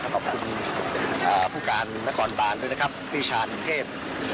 ขอบคุณผู้การนครบานด้วยนะครับพี่ชานินเทพ